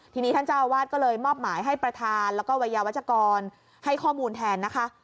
ทีนี้ท่านเจ้าอาวาสก็เลยมอบหมายให้ประธานแล้วก็วัยยาวัชกรให้ข้อมูลแทนนะคะ